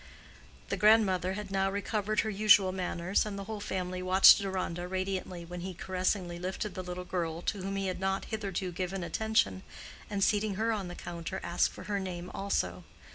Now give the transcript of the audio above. The grandmother had now recovered her usual manners, and the whole family watched Deronda radiantly when he caressingly lifted the little girl, to whom he had not hitherto given attention, and seating her on the counter, asked for her name also.